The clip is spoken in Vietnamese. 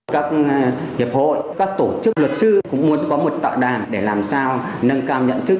các hiệp hội các tổ chức luật sư cũng muốn có một tạo đàm để làm sao nâng cao nhận thức